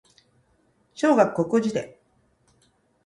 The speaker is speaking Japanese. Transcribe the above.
小学国語辞典